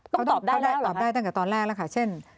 ต้องตอบได้แล้วเหรอคะต้องตอบได้ตั้งแต่ตอนแรกแล้วค่ะเช่น